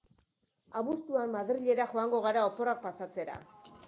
Abuztuan Madrilera joango gara oporrak pasatzera